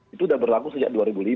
itu sudah berlaku sejak dua ribu lima